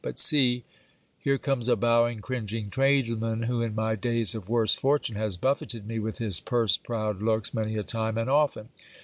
But see, here comes a bowing cringing tradesman, who in my days of worse fortune has buffeted me with his purse proud looks many a time and often.